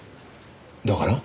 だから？